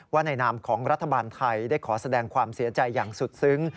ในนามของรัฐบาลไทยได้ขอแสดงความเสียใจอย่างสุดซึ้ง